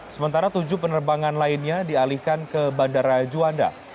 sementara tujuh penerbangan lainnya dialihkan ke bandara juanda